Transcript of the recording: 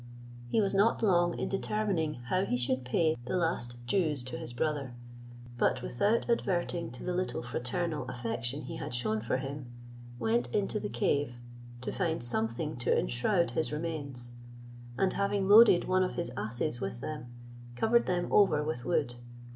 He was not long in determining how he should pay the last dues to his brother, but without adverting to the little fraternal affection he had shown for him, went into the cave, to find something to enshroud his remains, and having loaded one of his asses with them, covered them over with wood.